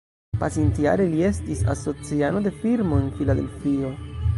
Pasintjare, li estis asociano de firmo en Filadelfio.